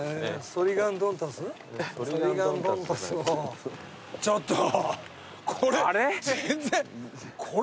えっ？